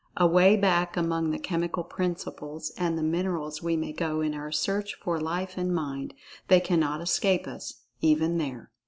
Away back among the chemical principles, and the minerals we may go in our search for Life and Mind—they cannot escape us—even there!